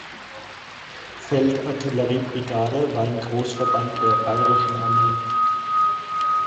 Feldartillerie-Brigade war ein Großverband der Bayerischen Armee.